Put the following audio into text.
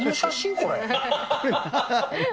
これ。